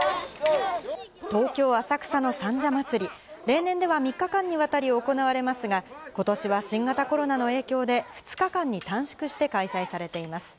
例年では３日間にわたり行われますが、ことしは新型コロナの影響で、２日間に短縮して開催されています。